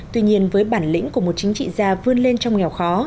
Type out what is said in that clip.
tuy nhiên với bản lĩnh của một chính trị gia vươn lên trong nghèo khó